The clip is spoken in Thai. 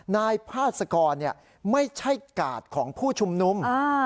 นายพาสกรไม่ใช่กาดของผู้ชุมนุม